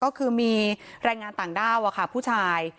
ก็คือมีแรงงานต่างด้าวผู้ชาย